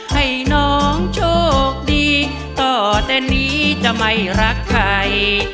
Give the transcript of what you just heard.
ให้น้องโชคดีต่อแต่นี้จะไม่รักใคร